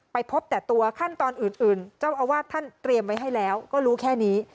พบแต่ตัวขั้นตอนอื่นเจ้าอาวาสท่านเตรียมไว้ให้แล้วก็รู้แค่นี้